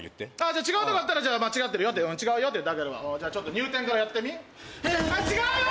じゃあ違うとこあったらじゃあ間違ってるよって違うよって言ってあげるわじゃあちょっと入店からやってみ違うよ！